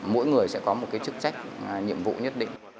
mỗi người sẽ có một cái chức trách nhiệm vụ nhất định